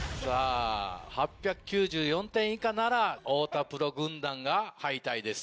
８９４点以下なら太田プロ軍団が敗退です。